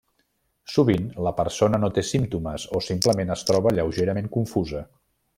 Sovint la persona no té símptomes, o simplement es troba lleugerament confusa.